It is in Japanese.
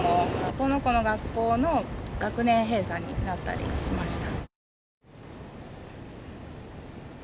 この子の学校の学年閉鎖になったりしました。